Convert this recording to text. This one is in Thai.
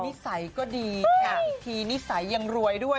นิสัยก็ดีค่ะตีนิสัยยังรวยด้วย